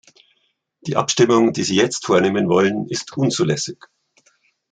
Die Abstimmung, die Sie jetzt vornehmen wollen, ist unzulässig.